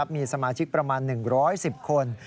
มีสมาชิกประมาณ๑๑๐คน